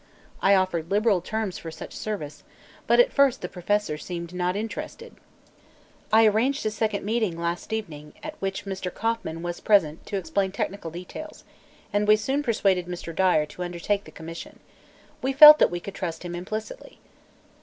I offered liberal terms for such service, but at first the professor seemed not interested. I arranged a second meeting, last evening, at which Mr. Kauffman was present to explain technical details, and we soon persuaded Mr. Dyer to undertake the commission. We felt that we could trust him implicity."